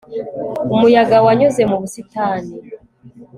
Umuyaga wanyuze mu busitani